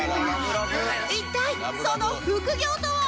一体その副業とは？